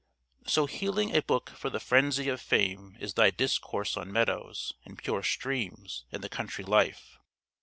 So healing a book for the frenzy of fame is thy discourse on meadows, and pure streams, and the country life.